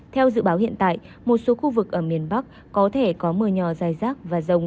theo dự báo hiện tại một số khu vực ở miền bắc có thể có mưa nhỏ dài rác và rông